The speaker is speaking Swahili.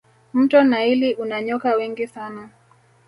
mto naili una nyoka wengi sana